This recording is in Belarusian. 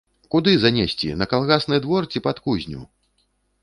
Куды занесці, на калгасны двор ці пад кузню?